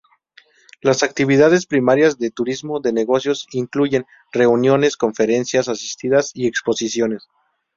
Las actividades primarias de turismo de negocios incluyen: reuniones, conferencias asistidas y exposiciones.